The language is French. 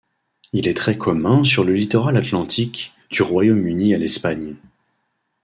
Il est très commun sur le littoral atlantique, du Royaume-Uni à l'Espagne.